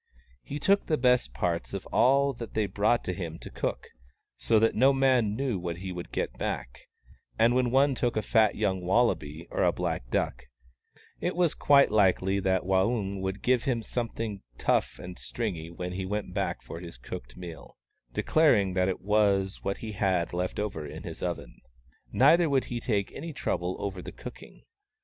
He took the best parts of all that they brought to him to cook, so that no man knew what he would get back ; and when one took a fat young wallaby or a black duck it was quite likely that Waung would give him something tough and stringy when he went back for his cooked meal, declaring that it was what he had left in his oven. Neither would he take any trouble over the cooking.